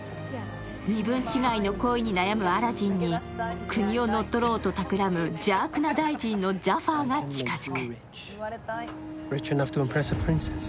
身分違いの恋に悩むアラジンに国をのっとろうとたくらむ邪悪な大臣のジャファーが近付く。